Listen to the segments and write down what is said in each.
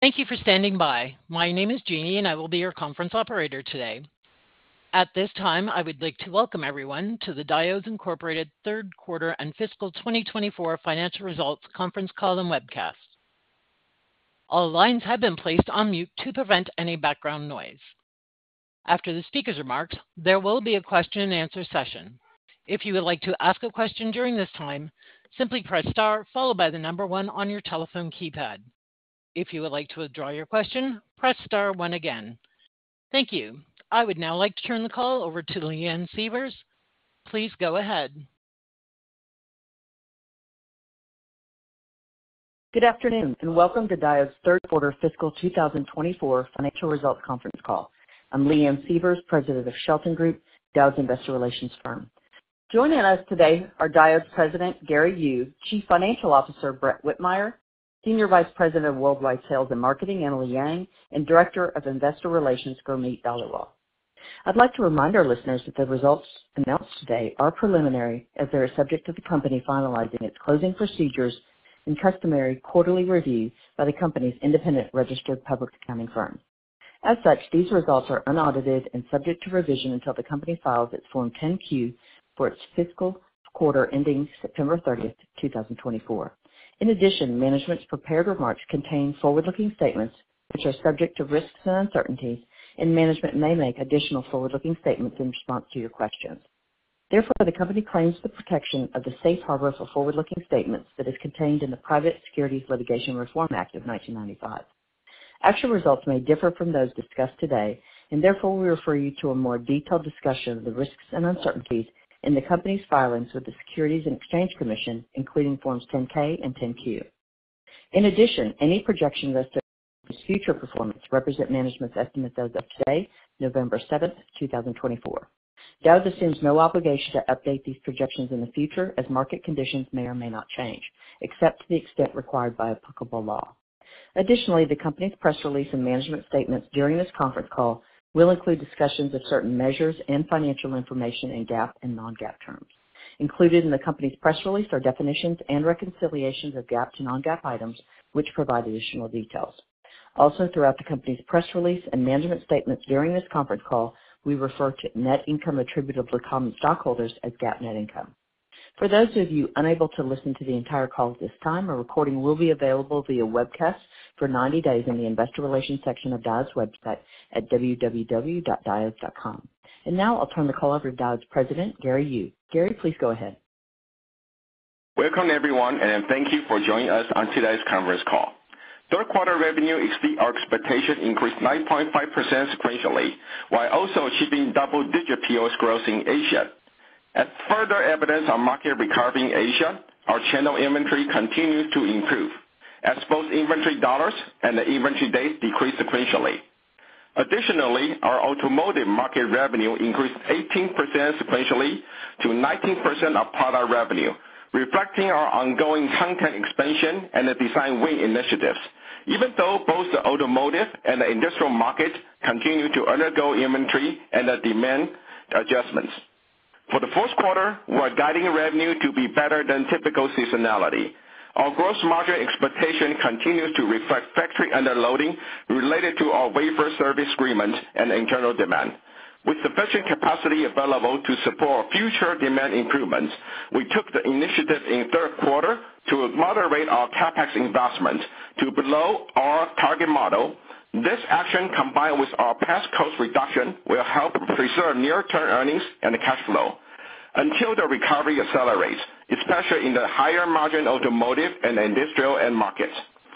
Thank you for standing by. My name is Jeannie, and I will be your conference operator today. At this time, I would like to welcome everyone to the Diodes Incorporated third quarter and fiscal 2024 financial results conference call and webcast. All lines have been placed on mute to prevent any background noise. After the speaker's remarks, there will be a question-and-answer session. If you would like to ask a question during this time, simply press star followed by the number one on your telephone keypad. If you would like to withdraw your question, press star one again. Thank you. I would now like to turn the call over to Leanne Sievers. Please go ahead. Good afternoon, and welcome to Diodes third quarter fiscal 2024 financial results conference call. I'm Leanne Sievers, President of Shelton Group, Diodes Investor Relations Firm. Joining us today are Diodes President Gary Yu, Chief Financial Officer Brett Whitmire, Senior Vice President of Worldwide Sales and Marketing Emily Yang, and Director of Investor Relations Gurmeet Dhaliwal. I'd like to remind our listeners that the results announced today are preliminary, as they are subject to the company finalizing its closing procedures and customary quarterly review by the company's independent registered public accounting firm. As such, these results are unaudited and subject to revision until the company files its Form 10-Q for its fiscal quarter ending September 30, 2024. In addition, management's prepared remarks contain forward-looking statements which are subject to risks and uncertainties, and management may make additional forward-looking statements in response to your questions. Therefore, the company claims the protection of the safe harbor for forward-looking statements that is contained in the Private Securities Litigation Reform Act of 1995. Actual results may differ from those discussed today, and therefore we refer you to a more detailed discussion of the risks and uncertainties in the company's filings with the Securities and Exchange Commission, including Forms 10-K and 10-Q. In addition, any projections as to the company's future performance represent management's estimate as of today, November 7, 2024. Diodes assumes no obligation to update these projections in the future, as market conditions may or may not change, except to the extent required by applicable law. Additionally, the company's press release and management statements during this conference call will include discussions of certain measures and financial information in GAAP and Non-GAAP terms. Included in the company's press release are definitions and reconciliations of GAAP to non-GAAP items, which provide additional details. Also, throughout the company's press release and management statements during this conference call, we refer to net income attributable to common stockholders as GAAP net income. For those of you unable to listen to the entire call at this time, a recording will be available via webcast for 90 days in the Investor Relations section of Diodes' website at www.diodes.com. And now I'll turn the call over to Diodes President Gary Yu. Gary, please go ahead. Welcome, everyone, and thank you for joining us on today's conference call. Third quarter revenue exceeded our expectations and increased 9.5% sequentially, while also achieving double-digit POS growth in Asia. As further evidence on market recovery in Asia, our channel inventory continues to improve, as both inventory dollars and the inventory days decrease sequentially. Additionally, our automotive market revenue increased 18% sequentially to 19% of product revenue, reflecting our ongoing content expansion and the design win initiatives, even though both the automotive and the industrial markets continue to undergo inventory and demand adjustments. For the fourth quarter, we are guiding revenue to be better than typical seasonality. Our gross margin expectation continues to reflect factory underloading related to our wafer service agreement and internal demand. With sufficient capacity available to support future demand improvements, we took the initiative in third quarter to moderate our CapEx investment to below our target model. This action, combined with our past cost reduction, will help preserve near-term earnings and cash flow until the recovery accelerates, especially in the higher margin automotive and industrial end markets.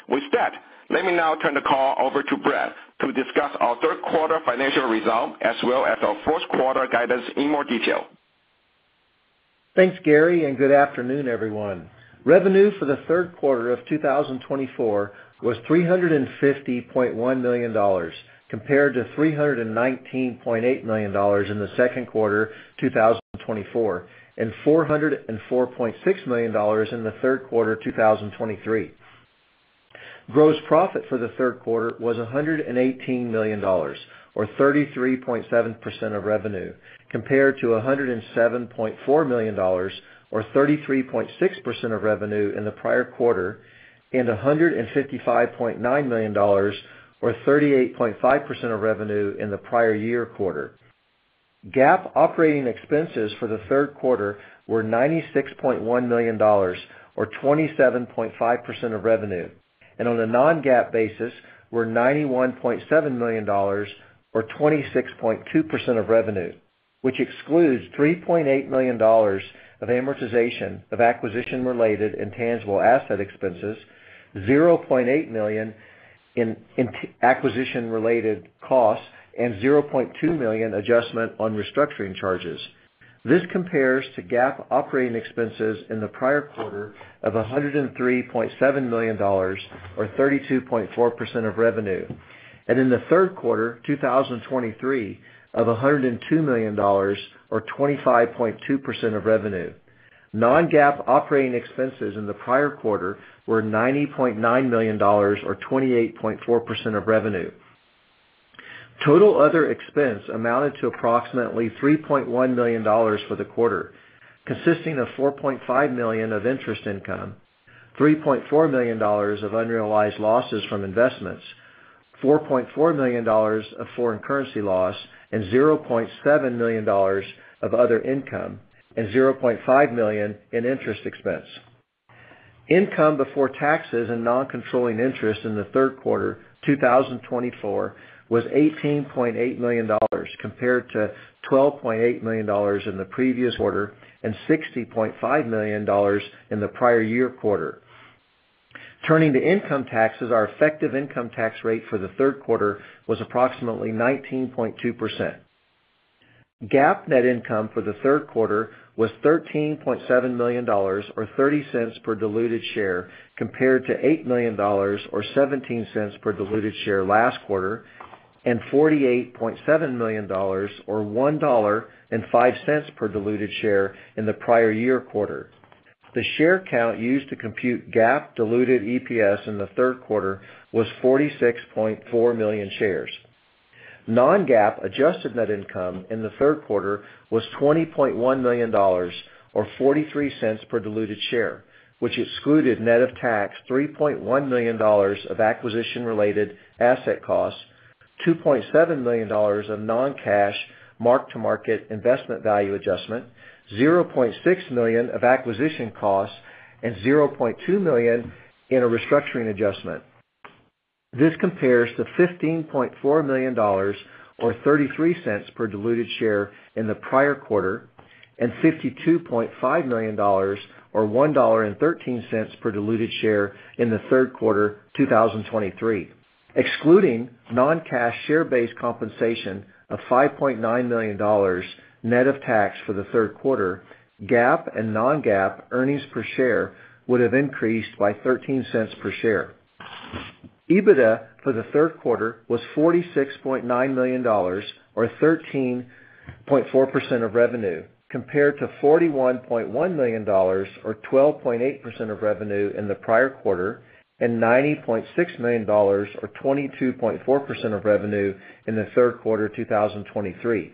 With that, let me now turn the call over to Brett to discuss our third quarter financial results as well as our fourth quarter guidance in more detail. Thanks Gary, and good afternoon, everyone. Revenue for the third quarter of 2024 was $350.1 million compared to $319.8 million in the second quarter 2024 and $404.6 million in the third quarter 2023. Gross profit for the third quarter was $118 million, or 33.7% of revenue, compared to $107.4 million, or 33.6% of revenue in the prior quarter, and $155.9 million, or 38.5% of revenue in the prior year quarter. GAAP operating expenses for the third quarter were $96.1 million, or 27.5% of revenue, and on a non-GAAP basis were $91.7 million, or 26.2% of revenue, which excludes $3.8 million of amortization of acquisition-related and tangible asset expenses, $0.8 million in acquisition-related costs, and $0.2 million adjustment on restructuring charges. This compares to GAAP operating expenses in the prior quarter of $103.7 million, or 32.4% of revenue, and in the third quarter 2023 of $102 million, or 25.2% of revenue. Non-GAAP operating expenses in the prior quarter were $90.9 million, or 28.4% of revenue. Total other expense amounted to approximately $3.1 million for the quarter, consisting of $4.5 million of interest income, $3.4 million of unrealized losses from investments, $4.4 million of foreign currency loss, and $0.7 million of other income, and $0.5 million in interest expense. Income before taxes and non-controlling interest in the third quarter 2024 was $18.8 million compared to $12.8 million in the previous quarter and $60.5 million in the prior year quarter. Turning to income taxes, our effective income tax rate for the third quarter was approximately 19.2%. GAAP net income for the third quarter was $13.7 million, or $0.30 per diluted share, compared to $8 million, or $0.17 per diluted share last quarter, and $48.7 million, or $1.05 per diluted share in the prior year quarter. The share count used to compute GAAP diluted EPS in the third quarter was 46.4 million shares. Non-GAAP adjusted net income in the third quarter was $20.1 million, or $0.43 per diluted share, which excluded net of tax $3.1 million of acquisition-related asset costs, $2.7 million of non-cash mark-to-market investment value adjustment, $0.6 million of acquisition costs, and $0.2 million in a restructuring adjustment. This compares to $15.4 million, or $0.33 per diluted share in the prior quarter, and $52.5 million, or $1.13 per diluted share in the third quarter 2023. Excluding non-cash share-based compensation of $5.9 million net of tax for the third quarter, GAAP and non-GAAP earnings per share would have increased by $0.13 per share. EBITDA for the third quarter was $46.9 million, or 13.4% of revenue, compared to $41.1 million, or 12.8% of revenue in the prior quarter, and $90.6 million, or 22.4% of revenue in the third quarter 2023.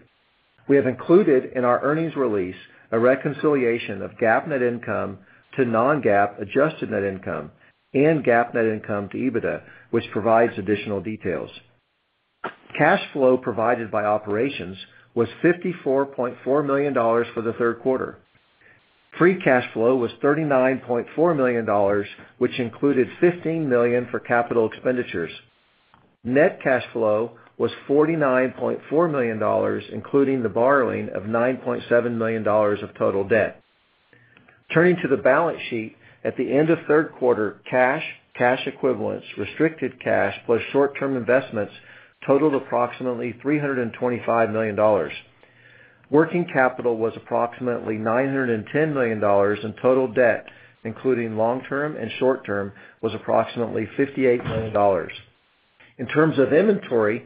We have included in our earnings release a reconciliation of GAAP net income to non-GAAP adjusted net income and GAAP net income to EBITDA, which provides additional details. Cash flow provided by operations was $54.4 million for the third quarter. Free cash flow was $39.4 million, which included $15 million for capital expenditures. Net cash flow was $49.4 million, including the borrowing of $9.7 million of total debt. Turning to the balance sheet, at the end of third quarter, cash, cash equivalents, restricted cash, plus short-term investments totaled approximately $325 million. Working capital was approximately $910 million, and total debt, including long-term and short-term, was approximately $58 million. In terms of inventory,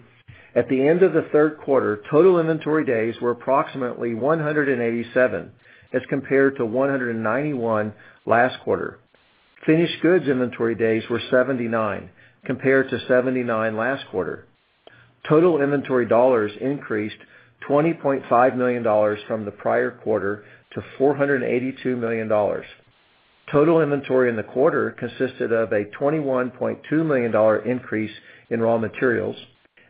at the end of the third quarter, total inventory days were approximately 187, as compared to 191 last quarter. Finished goods inventory days were 79, compared to 79 last quarter. Total inventory dollars increased $20.5 million from the prior quarter to $482 million. Total inventory in the quarter consisted of a $21.2 million increase in raw materials,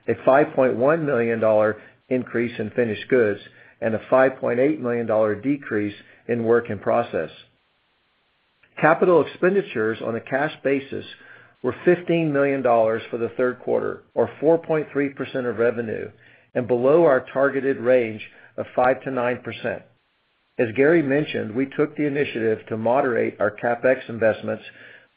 a $5.1 million increase in finished goods, and a $5.8 million decrease in work in process. Capital expenditures on a cash basis were $15 million for the third quarter, or 4.3% of revenue, and below our targeted range of 5%-9%. As Gary mentioned, we took the initiative to moderate our CapEx investments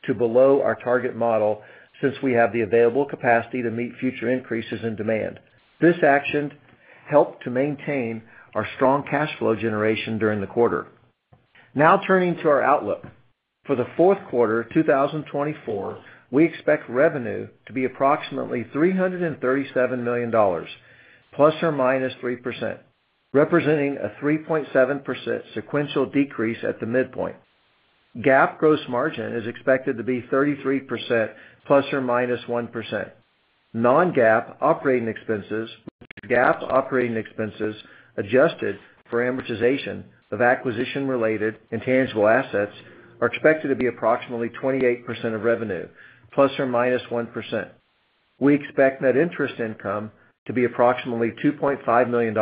to below our target model since we have the available capacity to meet future increases in demand. This action helped to maintain our strong cash flow generation during the quarter. Now turning to our outlook. For the fourth quarter 2024, we expect revenue to be approximately $337 million, plus or minus 3%, representing a 3.7% sequential decrease at the midpoint. GAAP gross margin is expected to be 33% plus or minus 1%. Non-GAAP operating expenses, which are GAAP operating expenses adjusted for amortization of acquisition-related and tangible assets, are expected to be approximately 28% of revenue, plus or minus 1%. We expect net interest income to be approximately $2.5 million.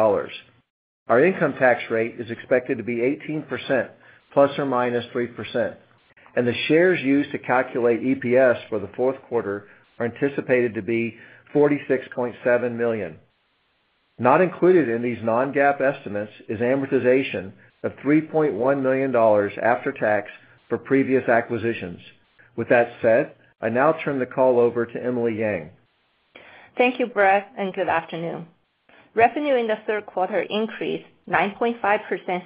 Our income tax rate is expected to be 18% plus or minus 3%, and the shares used to calculate EPS for the fourth quarter are anticipated to be 46.7 million. Not included in these non-GAAP estimates is amortization of $3.1 million after tax for previous acquisitions. With that said, I now turn the call over to Emily Yang. Thank you, Brett, and good afternoon. Revenue in the third quarter increased 9.5%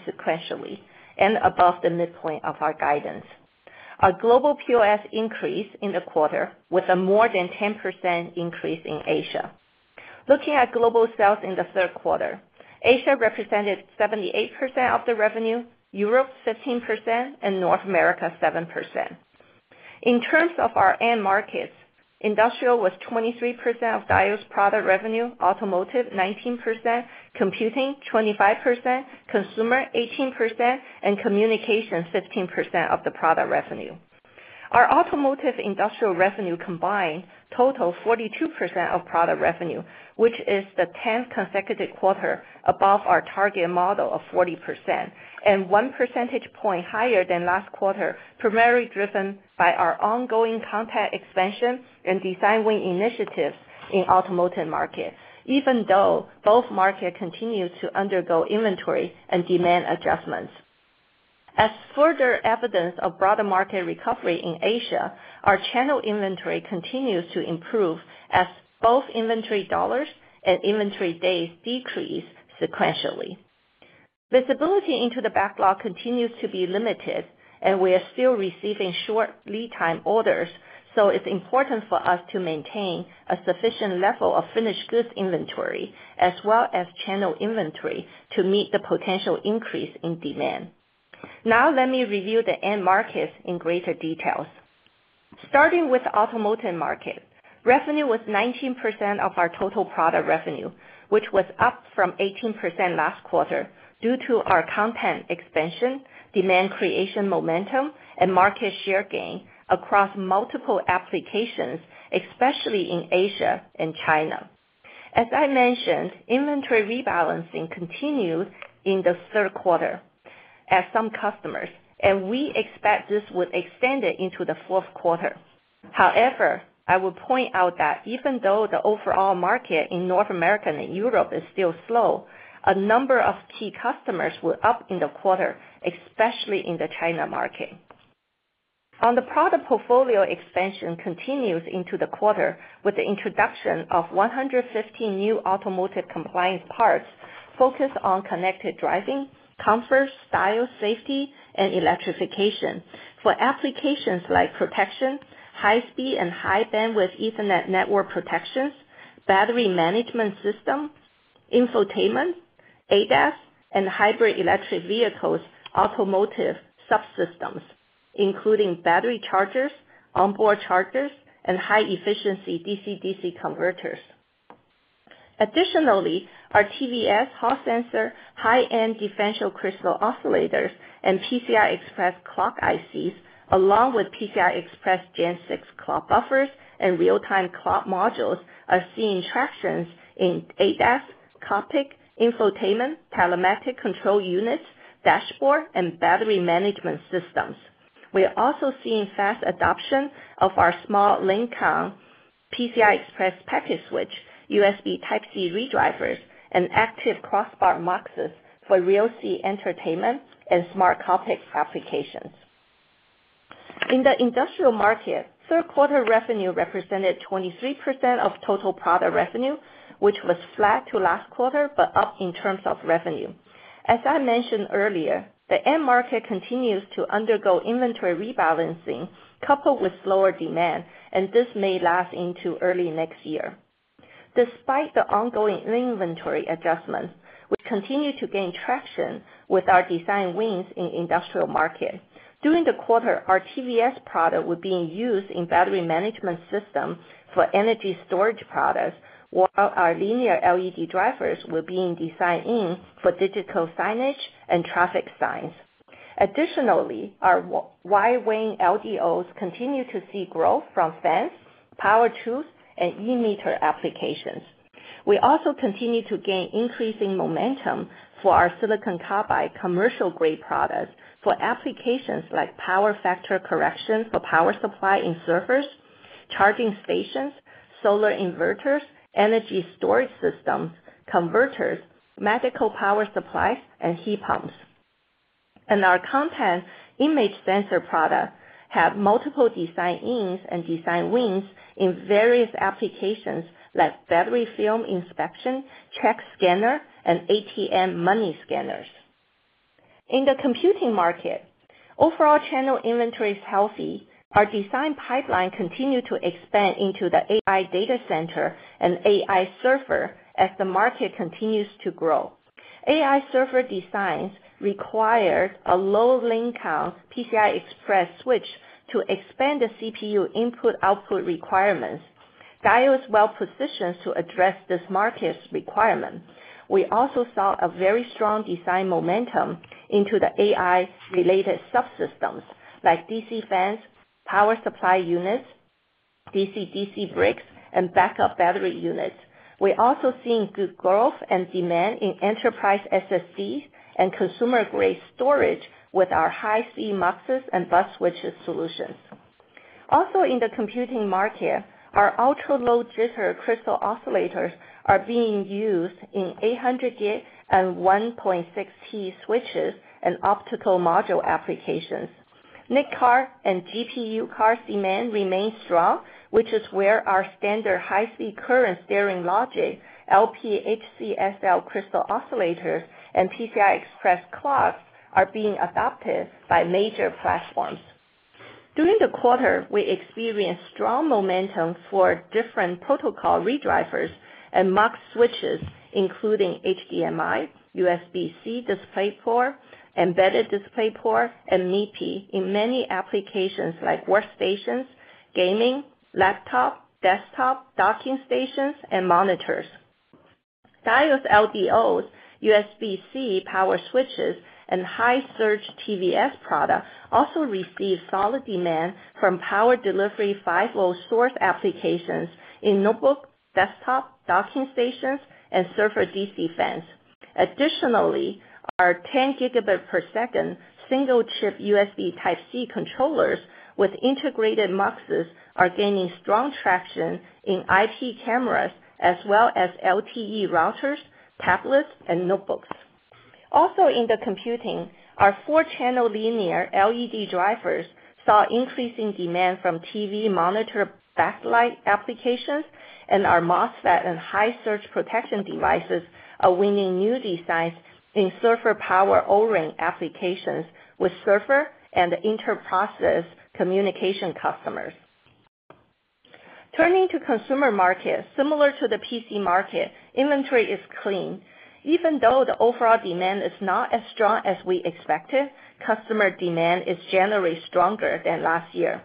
sequentially and above the midpoint of our guidance. Our global POS increased in the quarter, with a more than 10% increase in Asia. Looking at global sales in the third quarter, Asia represented 78% of the revenue, Europe 15%, and North America 7%. In terms of our end markets, industrial was 23% of Diodes' product revenue, automotive 19%, computing 25%, consumer 18%, and communications 15% of the product revenue. Our automotive industrial revenue combined totaled 42% of product revenue, which is the 10th consecutive quarter above our target model of 40%, and one percentage point higher than last quarter, primarily driven by our ongoing content expansion and design win initiatives in the automotive market, even though both markets continue to undergo inventory and demand adjustments. As further evidence of broader market recovery in Asia, our channel inventory continues to improve as both inventory dollars and inventory days decrease sequentially. Visibility into the backlog continues to be limited, and we are still receiving short lead time orders, so it's important for us to maintain a sufficient level of finished goods inventory as well as channel inventory to meet the potential increase in demand. Now let me review the end markets in greater details. Starting with the automotive market, revenue was 19% of our total product revenue, which was up from 18% last quarter due to our content expansion, demand creation momentum, and market share gain across multiple applications, especially in Asia and China. As I mentioned, inventory rebalancing continued in the third quarter at some customers, and we expect this would extend into the fourth quarter. However, I will point out that even though the overall market in North America and Europe is still slow, a number of key customers were up in the quarter, especially in the China market. On the product portfolio expansion continues into the quarter with the introduction of 115 new automotive compliance parts focused on connected driving, comfort, style, safety, and electrification for applications like protection, high-speed and high-bandwidth Ethernet network protections, battery management system, infotainment, ADAS, and hybrid electric vehicles automotive subsystems, including battery chargers, onboard chargers, and high-efficiency DC-DC converters. Additionally, our TVS, Hall effect sensor, high-end differential crystal oscillators, and PCI Express clock ICs, along with PCI Express Gen 6 clock buffers and real-time clock modules, are seeing traction in ADAS, cockpit, infotainment, telematic control units, dashboard, and battery management systems. We are also seeing fast adoption of our small Linkcon, PCI Express packet switch, USB Type-C redrivers, and active crossbar muxes for rear-seat entertainment and smart cockpit applications. In the industrial market, third quarter revenue represented 23% of total product revenue, which was flat to last quarter but up in terms of revenue. As I mentioned earlier, the end market continues to undergo inventory rebalancing coupled with slower demand, and this may last into early next year. Despite the ongoing inventory adjustments, we continue to gain traction with our design wins in the industrial market. During the quarter, our TVS product will be used in battery management systems for energy storage products, while our linear LED drivers will be in design in for digital signage and traffic signs. Additionally, our wide Vin LDOs continue to see growth from fence, power tools, and e-meter applications. We also continue to gain increasing momentum for our silicon carbide commercial-grade products for applications like power factor correction for power supply in servers, charging stations, solar inverters, energy storage systems, converters, medical power supplies, and heat pumps. Our Contact Image Sensor products have multiple design ins and design wins in various applications like battery film inspection, check scanner, and ATM money scanners. In the computing market, overall channel inventory is healthy. Our design pipeline continues to expand into the AI data center and AI server as the market continues to grow. AI server designs required a PCI Express packet switch to expand the CPU input/output requirements. Diodes were well-positioned to address this market's requirement. We also saw a very strong design momentum into the AI-related subsystems like DC fans, power supply units, DC-DC bricks, and backup battery units. We are also seeing good growth and demand in enterprise SSDs and consumer-grade storage with our high-speed muxes and bus switches solutions. Also, in the computing market, our ultra-low jitter crystal oscillators are being used in 800 gig and 1.6T switches and optical module applications. NIC cards and GPU cards demand remains strong, which is where our standard high-speed current steering logic, LPHCSL crystal oscillators, and PCI Express clocks are being adopted by major platforms. During the quarter, we experienced strong momentum for different protocol redrivers and mux switches, including HDMI, USB-C DisplayPort, Embedded DisplayPort, and MIPI in many applications like workstations, gaming, laptop, desktop, docking stations, and monitors. Diodes LDOs, USB-C power switches, and high-surge TVS products also received solid demand from power delivery 5-volt source applications in notebook, desktop, docking stations, and server DC fans. Additionally, our 10 gigabit per second single-chip USB Type-C controllers with integrated muxes are gaining strong traction in IP cameras as well as LTE routers, tablets, and notebooks. Also, in the computing, our four-channel linear LED drivers saw increasing demand from TV monitor backlight applications, and our MOSFET and high-surge protection devices are winning new designs in server power ORing applications with server and inter-process communication customers. Turning to consumer market, similar to the PC market, inventory is clean. Even though the overall demand is not as strong as we expected, customer demand is generally stronger than last year.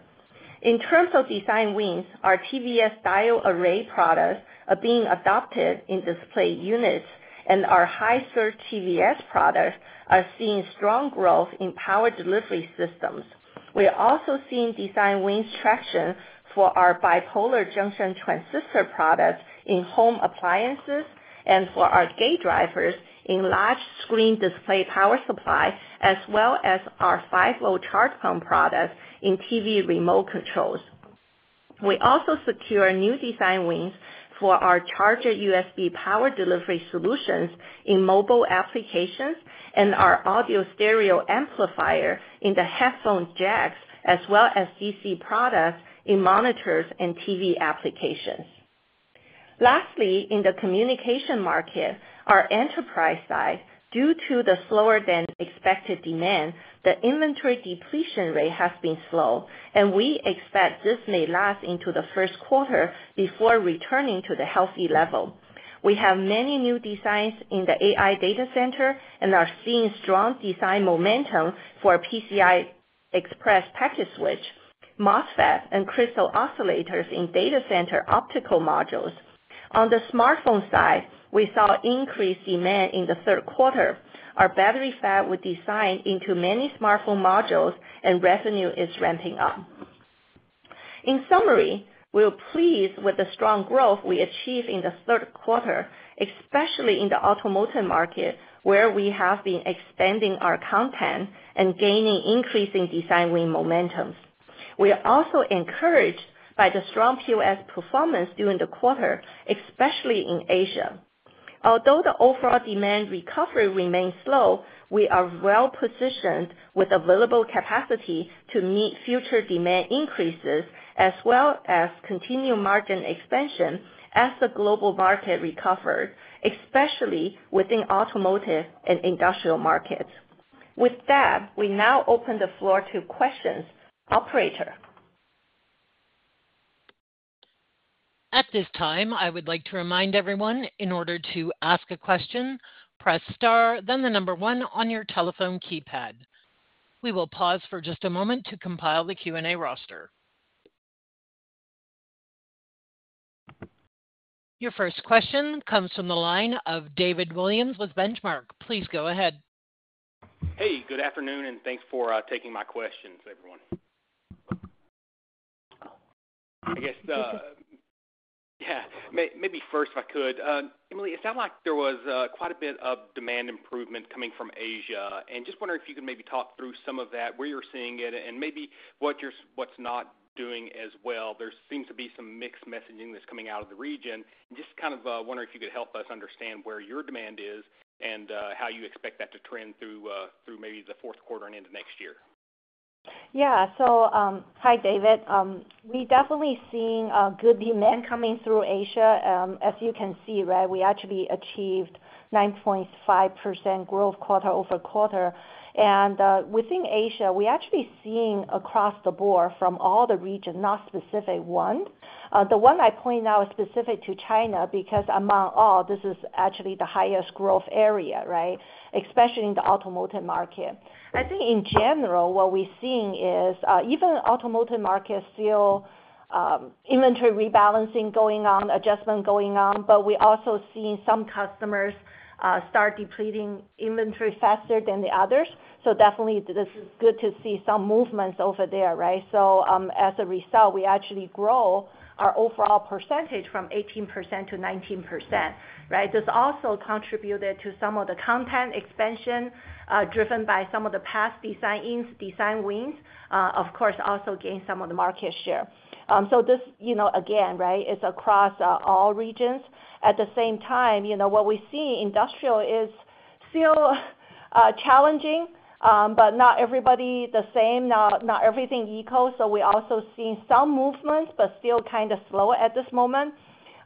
In terms of design wins, our TVS diode array products are being adopted in display units, and our high-surge TVS products are seeing strong growth in power delivery systems. We are also seeing design wins traction for our bipolar junction transistor products in home appliances and for our gate drivers in large-screen display power supply, as well as our 5-volt charge pump products in TV remote controls. We also secure new design wins for our charger USB power delivery solutions in mobile applications and our audio stereo amplifier in the headphone jacks, as well as DC products in monitors and TV applications. Lastly, in the communication market, our enterprise side, due to the slower-than-expected demand, the inventory depletion rate has been slow, and we expect this may last into the first quarter before returning to the healthy level. We have many new designs in the AI data center and are seeing strong design momentum for PCI Express packet switch, MOSFET, and crystal oscillators in data center optical modules. On the smartphone side, we saw increased demand in the third quarter. Our battery FETs will design into many smartphone modules, and revenue is ramping up. In summary, we're pleased with the strong growth we achieved in the third quarter, especially in the automotive market, where we have been expanding our content and gaining increasing design win momentums. We are also encouraged by the strong POS performance during the quarter, especially in Asia. Although the overall demand recovery remains slow, we are well-positioned with available capacity to meet future demand increases as well as continue margin expansion as the global market recovers, especially within automotive and industrial markets. With that, we now open the floor to questions, operator. At this time, I would like to remind everyone, in order to ask a question, press star, then the number one on your telephone keypad. We will pause for just a moment to compile the Q&A roster. Your first question comes from the line of David Williams with Benchmark. Please go ahead. Hey, good afternoon, and thanks for taking my questions, everyone. I guess, yeah, maybe first, if I could. Emily, it sounds like there was quite a bit of demand improvement coming from Asia, and just wondering if you could maybe talk through some of that, where you're seeing it, and maybe what's not doing as well. There seems to be some mixed messaging that's coming out of the region. Just kind of wondering if you could help us understand where your demand is and how you expect that to trend through maybe the fourth quarter and into next year. Yeah, so hi, David. We're definitely seeing good demand coming through Asia. As you can see, right, we actually achieved 9.5% growth quarter over quarter. And within Asia, we're actually seeing across the board from all the regions, not specific ones. The one I point out is specific to China because among all, this is actually the highest growth area, right, especially in the automotive market. I think in general, what we're seeing is even the automotive market still inventory rebalancing going on, adjustment going on, but we're also seeing some customers start depleting inventory faster than the others. So definitely, this is good to see some movements over there, right? So as a result, we actually grow our overall percentage from 18% to 19%, right? This also contributed to some of the content expansion driven by some of the past design wins, of course, also gained some of the market share. So this, again, right, is across all regions. At the same time, what we're seeing industrial is still challenging, but not everybody the same, not everything equal. So we're also seeing some movements, but still kind of slow at this moment.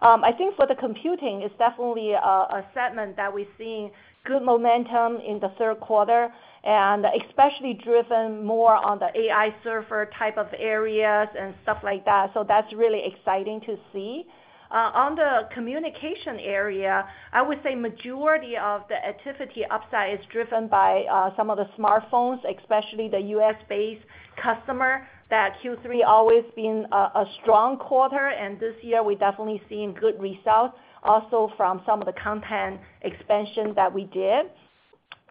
I think for the computing, it's definitely a segment that we're seeing good momentum in the third quarter, and especially driven more on the AI server type of areas and stuff like that. So that's really exciting to see. On the communication area, I would say the majority of the activity upside is driven by some of the smartphones, especially the U.S.-based customer. That Q3 has always been a strong quarter, and this year, we're definitely seeing good results also from some of the content expansion that we did.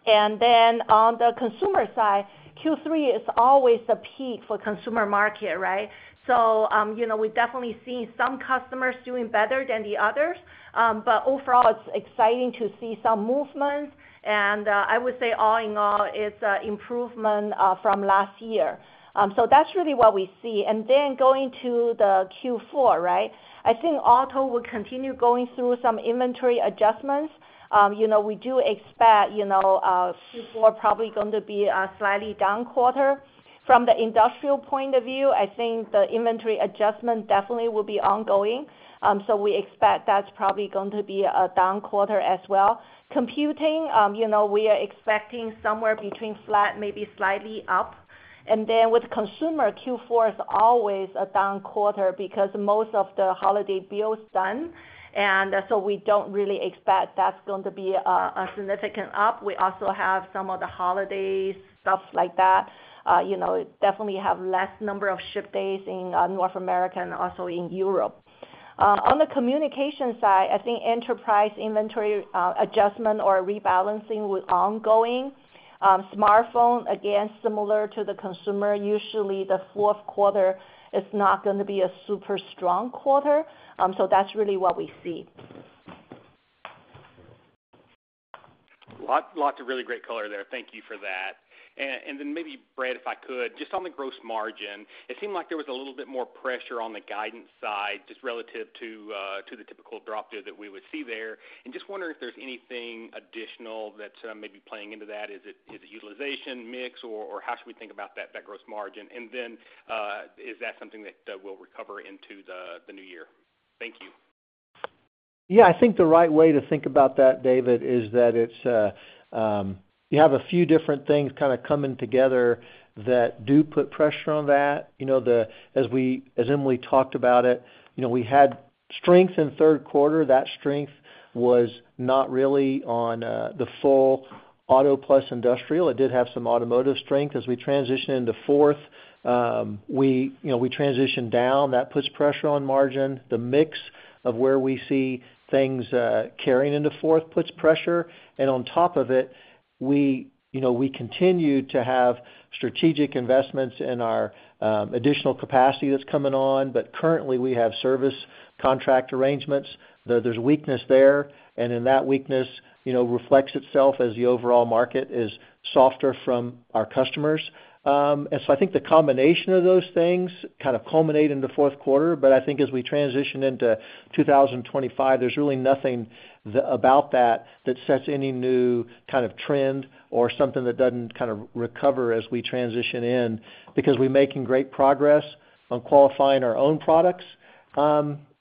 And then on the consumer side, Q3 is always the peak for the consumer market, right? So we're definitely seeing some customers doing better than the others, but overall, it's exciting to see some movements. And I would say all in all, it's an improvement from last year. So that's really what we see. And then going to the Q4, right, I think auto will continue going through some inventory adjustments. We do expect Q4 is probably going to be a slightly down quarter. From the industrial point of view, I think the inventory adjustment definitely will be ongoing. So we expect that's probably going to be a down quarter as well. Computing, we are expecting somewhere between flat, maybe slightly up. And then with consumer, Q4 is always a down quarter because most of the holiday builds are done. And so we don't really expect that's going to be a significant up. We also have some of the holidays, stuff like that. Definitely have less number of ship days in North America and also in Europe. On the communication side, I think enterprise inventory adjustment or rebalancing will be ongoing. Smartphone, again, similar to the consumer, usually the fourth quarter is not going to be a super strong quarter. So that's really what we see. Lots of really great color there. Thank you for that. And then maybe, Brett, if I could, just on the gross margin, it seemed like there was a little bit more pressure on the guidance side just relative to the typical drop there that we would see there. And just wondering if there's anything additional that's maybe playing into that. Is it utilization mix, or how should we think about that gross margin? And then is that something that will recover into the new year? Thank you. Yeah, I think the right way to think about that, David, is that you have a few different things kind of coming together that do put pressure on that. As Emily talked about it, we had strength in third quarter. That strength was not really on the full auto plus industrial. It did have some automotive strength as we transitioned into fourth. We transitioned down. That puts pressure on margin. The mix of where we see things carrying into fourth puts pressure. And on top of it, we continue to have strategic investments in our additional capacity that's coming on. But currently, we have service contract arrangements. There's weakness there. And then that weakness reflects itself as the overall market is softer from our customers. And so I think the combination of those things kind of culminated in the fourth quarter. But I think as we transition into 2025, there's really nothing about that that sets any new kind of trend or something that doesn't kind of recover as we transition in because we're making great progress on qualifying our own products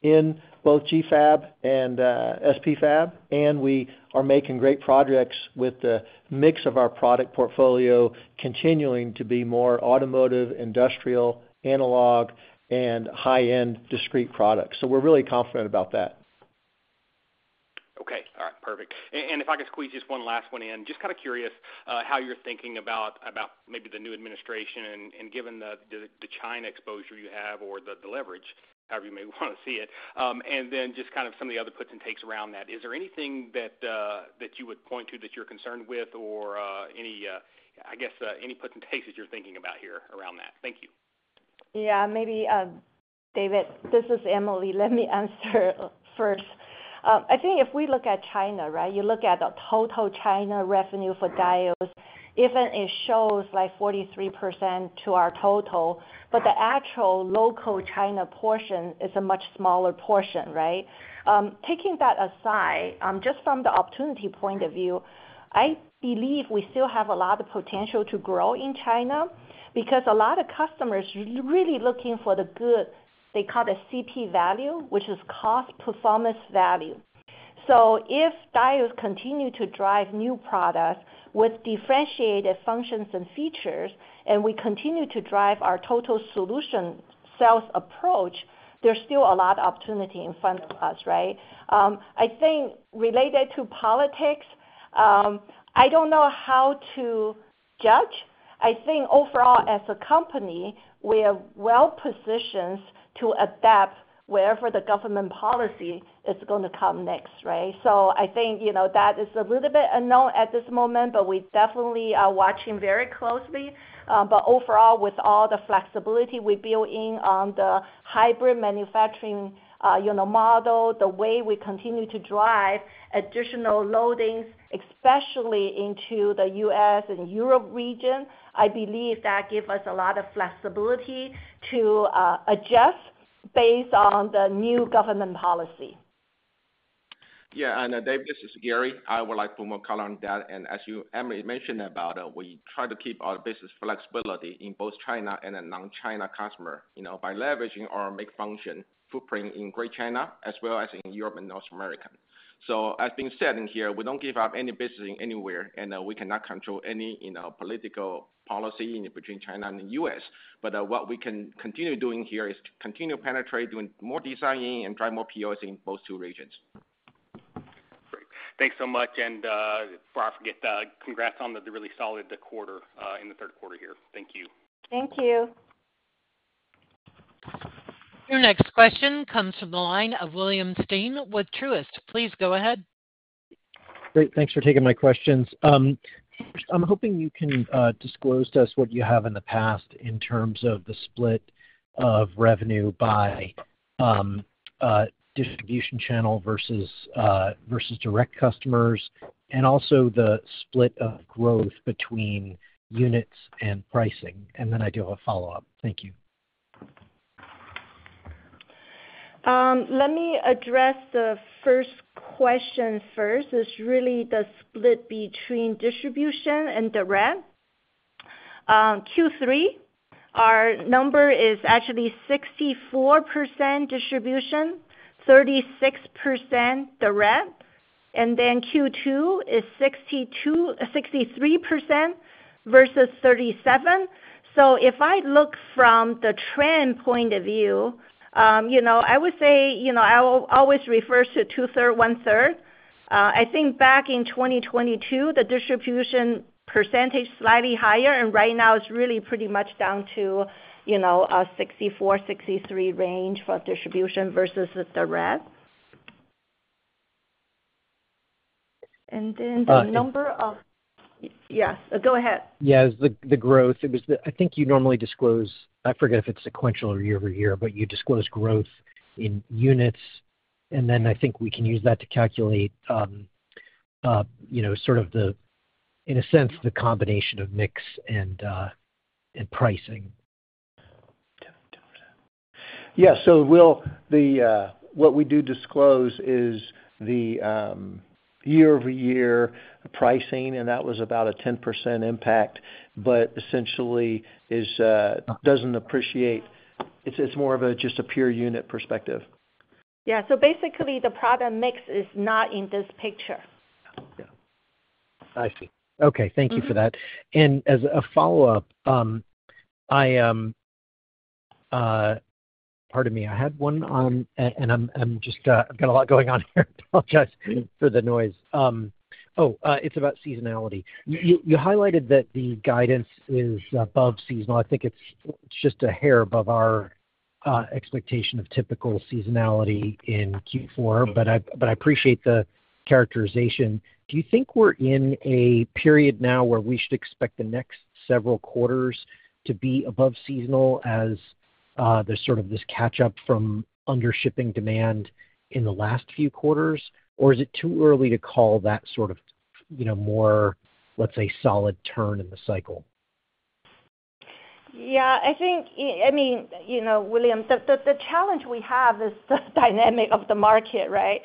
in both GFAB and SPFAB. And we are making great progress with the mix of our product portfolio continuing to be more automotive, industrial, analog, and high-end discrete products. So we're really confident about that. Okay. All right. Perfect. And if I could squeeze just one last one in, just kind of curious how you're thinking about maybe the new administration and given the China exposure you have or the leverage, however you may want to see it. And then just kind of some of the other puts and takes around that. Is there anything that you would point to that you're concerned with or any, I guess, any puts and takes that you're thinking about here around that? Thank you. Yeah, maybe, David, this is Emily. Let me answer first. I think if we look at China, right, you look at the total China revenue for Diodes, even it shows like 43% to our total, but the actual local China portion is a much smaller portion, right? Taking that aside, just from the opportunity point of view, I believe we still have a lot of potential to grow in China because a lot of customers are really looking for the good, they call it CP value, which is cost performance value. So if Diodes continue to drive new products with differentiated functions and features, and we continue to drive our total solution sales approach, there's still a lot of opportunity in front of us, right? I think related to politics, I don't know how to judge. I think overall, as a company, we are well-positioned to adapt wherever the government policy is going to come next, right? So I think that is a little bit unknown at this moment, but we definitely are watching very closely. But overall, with all the flexibility we build in on the hybrid manufacturing model, the way we continue to drive additional loadings, especially into the U.S. and Europe region, I believe that gives us a lot of flexibility to adjust based on the new government policy. Yeah. And David, this is Gary. I would like to put more color on that. And as Emily mentioned about it, we try to keep our business flexibility in both China and non-China customers by leveraging our manufacturing footprint in Greater China as well as in Europe and North America. So as being said in here, we don't give up any business anywhere, and we cannot control any political policy between China and the US. But what we can continue doing here is to continue penetrating with more design and drive more POS in both two regions. Great. Thanks so much. And before I forget, congrats on the really solid quarter in the third quarter here. Thank you. Thank you. Your next question comes from the line of William Stein with Truist. Please go ahead. Great. Thanks for taking my questions. I'm hoping you can disclose to us what you have in the past in terms of the split of revenue by distribution channel versus direct customers and also the split of growth between units and pricing, and then I do have a follow-up. Thank you. Let me address the first question first. It's really the split between distribution and direct. Q3, our number is actually 64% distribution, 36% direct. And then Q2 is 63% versus 37%. So if I look from the trend point of view, I would say I will always refer to two-thirds, one-third. I think back in 2022, the distribution percentage was slightly higher, and right now, it's really pretty much down to a 64, 63 range for distribution versus direct. And then the number of yes. Go ahead. Yeah, it's the growth. I think you normally disclose. I forget if it's sequential or year over year. But you disclose growth in units. And then I think we can use that to calculate sort of, in a sense, the combination of mix and pricing. Yeah. So what we do disclose is the year-over-year pricing, and that was about a 10% impact, but essentially doesn't appreciate. It's more of just a pure unit perspective. Yeah. So basically, the product mix is not in this picture. Yeah. I see. Okay. Thank you for that. And as a follow-up, I, pardon me, I had one on, and I've got a lot going on here. I apologize for the noise. Oh, it's about seasonality. You highlighted that the guidance is above seasonal. I think it's just a hair above our expectation of typical seasonality in Q4, but I appreciate the characterization. Do you think we're in a period now where we should expect the next several quarters to be above seasonal as there's sort of this catch-up from undershipping demand in the last few quarters? Or is it too early to call that sort of more, let's say, solid turn in the cycle? Yeah. I mean, William, the challenge we have is the dynamic of the market, right?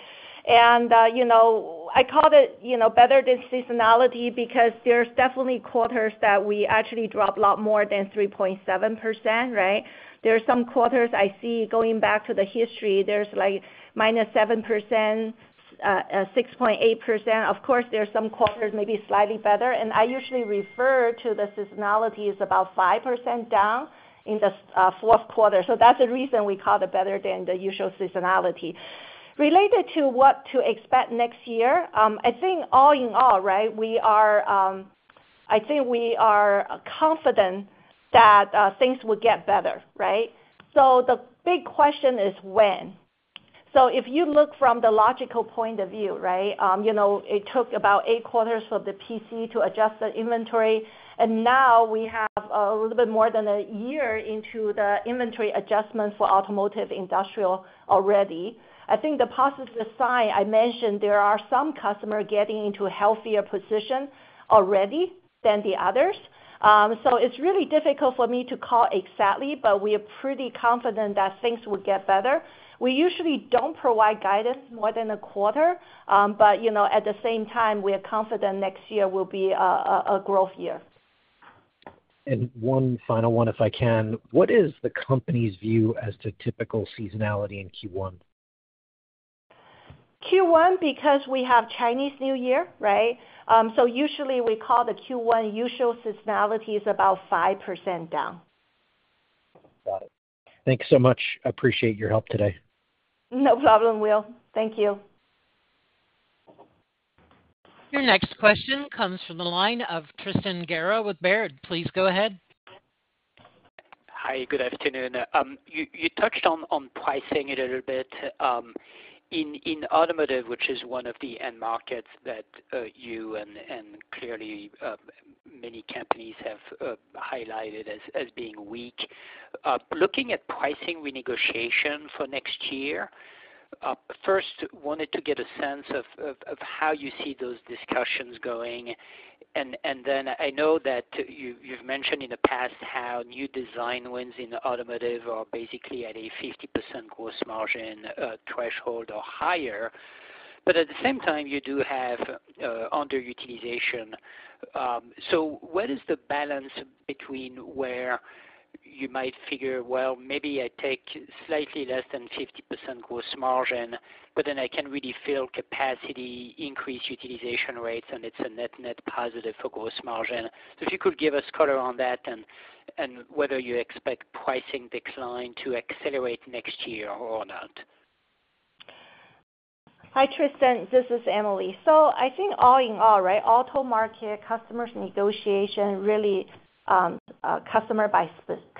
And I call it better than seasonality because there's definitely quarters that we actually dropped a lot more than 3.7%, right? There are some quarters I see going back to the history, there's like minus 7%, 6.8%. Of course, there are some quarters maybe slightly better. And I usually refer to the seasonality as about 5% down in the fourth quarter. So that's the reason we call it better than the usual seasonality. Related to what to expect next year, I think all in all, right, I think we are confident that things will get better, right? So the big question is when. So if you look from the logical point of view, right, it took about eight quarters for the PC to adjust the inventory. And now we have a little bit more than a year into the inventory adjustment for automotive industrial already. I think the positive sign I mentioned. There are some customers getting into a healthier position already than the others. So it's really difficult for me to call exactly, but we are pretty confident that things will get better. We usually don't provide guidance more than a quarter, but at the same time, we are confident next year will be a growth year. One final one, if I can. What is the company's view as to typical seasonality in Q1? Q1, because we have Chinese New Year, right? So usually, we call the Q1 usual seasonality is about 5% down. Got it. Thanks so much. I appreciate your help today. No problem, Will. Thank you. Your next question comes from the line of Tristan Gerra with Baird. Please go ahead. Hi. Good afternoon. You touched on pricing a little bit. In automotive, which is one of the end markets that you and clearly many companies have highlighted as being weak. Looking at pricing renegotiation for next year, first, wanted to get a sense of how you see those discussions going. And then I know that you've mentioned in the past how new design wins in automotive are basically at a 50% gross margin threshold or higher. But at the same time, you do have underutilization. So what is the balance between where you might figure, "Well, maybe I take slightly less than 50% gross margin, but then I can really fill capacity, increase utilization rates, and it's a net-net positive for gross margin"? So if you could give us color on that and whether you expect pricing decline to accelerate next year or not. Hi, Tristan. This is Emily. So I think all in all, right, auto market, customers' negotiation, really customer by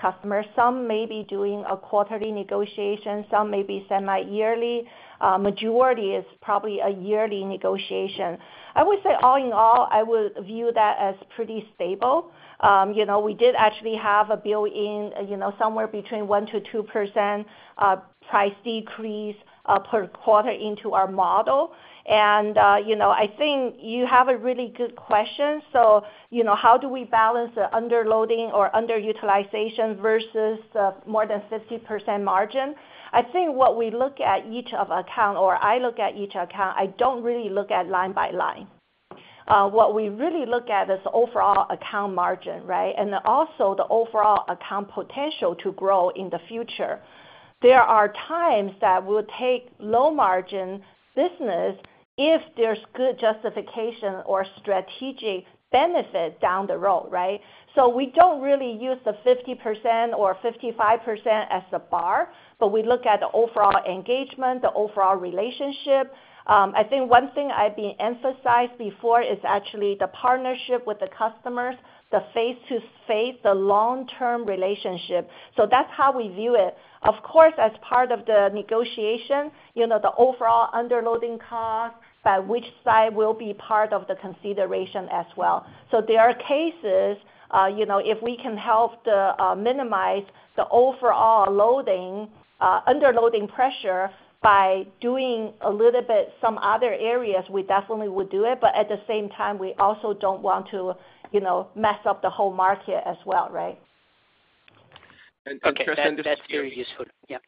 customer, some may be doing a quarterly negotiation, some may be semi-yearly. Majority is probably a yearly negotiation. I would say all in all, I would view that as pretty stable. We did actually have a built-in somewhere between 1%-2% price decrease per quarter into our model. And I think you have a really good question. So how do we balance the underloading or underutilization versus more than 50% margin? I think what we look at each of account, or I look at each account, I don't really look at line by line. What we really look at is overall account margin, right? And also the overall account potential to grow in the future. There are times that we'll take low-margin business if there's good justification or strategic benefit down the road, right? So we don't really use the 50% or 55% as a bar, but we look at the overall engagement, the overall relationship. I think one thing I've been emphasized before is actually the partnership with the customers, the face-to-face, the long-term relationship. So that's how we view it. Of course, as part of the negotiation, the overall underloading cost by which side will be part of the consideration as well. So there are cases if we can help minimize the overall underloading pressure by doing a little bit some other areas, we definitely would do it. But at the same time, we also don't want to mess up the whole market as well, right? Okay. That's very useful. Yeah.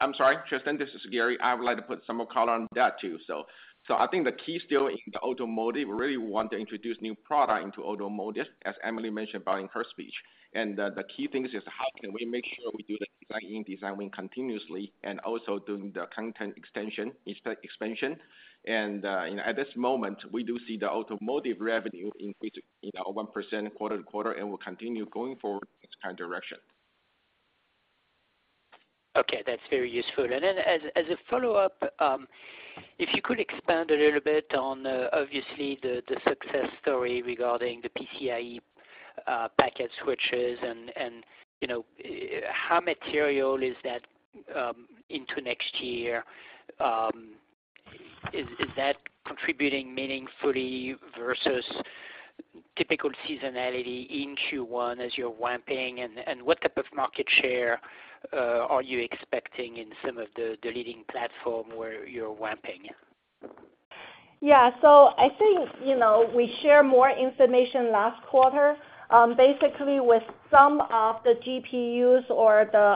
I'm sorry. Tristan, this is Gary. I would like to put some more color on that too. So I think the key still in the automotive, we really want to introduce new product into automotive, as Emily mentioned about in her speech. And the key thing is how can we make sure we do the design-in-design-win continuously and also doing the content expansion. And at this moment, we do see the automotive revenue increase in 1% quarter to quarter, and we'll continue going forward in this kind of direction. Okay. That's very useful. And then as a follow-up, if you could expand a little bit on, obviously, the success story regarding the PCIe packet switches and how material is that into next year? Is that contributing meaningfully versus typical seasonality in Q1 as you're ramping? What type of market share are you expecting in some of the leading platforms where you're ramping? Yeah. So I think we shared more information last quarter. Basically, with some of the GPUs or the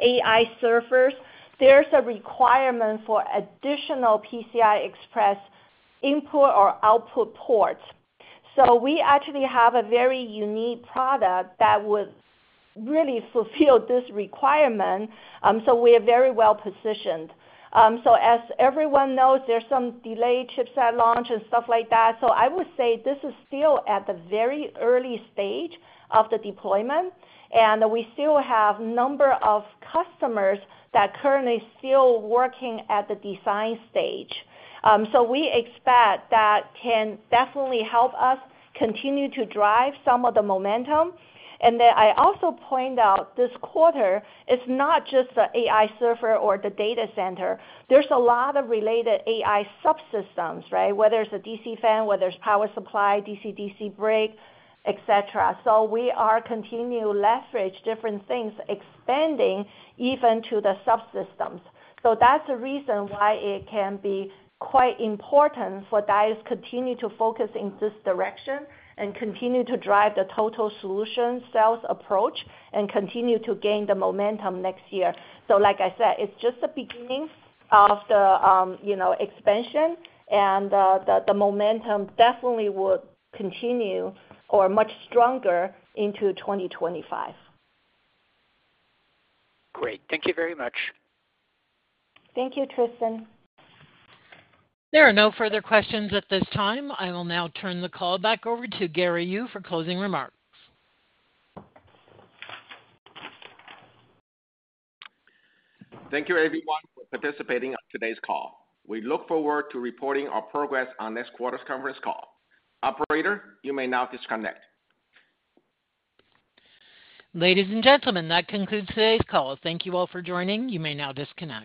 AI servers, there's a requirement for additional PCI Express input or output ports. So we actually have a very unique product that would really fulfill this requirement. So we are very well-positioned. So as everyone knows, there's some delayed chipset launch and stuff like that. So I would say this is still at the very early stage of the deployment, and we still have a number of customers that are currently still working at the design stage. So we expect that can definitely help us continue to drive some of the momentum. And then I also point out this quarter, it's not just the AI server or the data center. There's a lot of related AI subsystems, right? Whether it's a DC fan, whether it's power supply, DC-DC buck, etc. We are continuing to leverage different things, expanding even to the subsystems. That's the reason why it can be quite important for Diodes to continue to focus in this direction and continue to drive the total solution sales approach and continue to gain the momentum next year. Like I said, it's just the beginning of the expansion, and the momentum definitely will continue or be much stronger into 2025. Great. Thank you very much. Thank you, Tristan. There are no further questions at this time. I will now turn the call back over to Gary Yu for closing remarks. Thank you, everyone, for participating in today's call. We look forward to reporting our progress on next quarter's conference call. Operator, you may now disconnect. Ladies and gentlemen, that concludes today's call. Thank you all for joining. You may now disconnect.